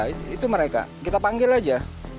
itu mereka kita panggil aja